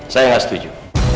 saya gak setuju